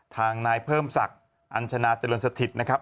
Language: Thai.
ทางนายเพิ่มศักดิ์อัญชนาเจริญสถิตนะครับ